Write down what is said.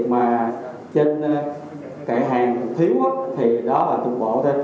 cái việc mà trên cải hàng thiếu thì đó là trung bộ